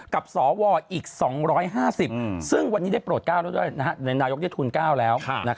กับสวอีก๒๕๐กว่าซึ่งวันนี้ได้โปรด๙ในนายกเทียดทุนที่ทุน๙แล้ว